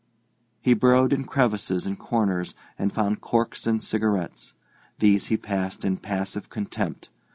He burrowed in crevices and corners, and found corks and cigarettes. These he passed in passive contempt.